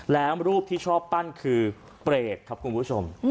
แล้วรูปที่ชอบปั้นคือเปรตครับคุณผู้ชม